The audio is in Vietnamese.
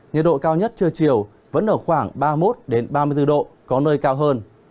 nhiệt độ cao nhất trưa chiều vẫn ở khoảng ba mươi một ba mươi bốn độ có nơi cao hơn